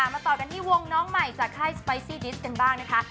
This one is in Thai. มาต่อกันที่วงน้องใหม่จากค่ายสไปซี่ดิสกันบ้างนะคะ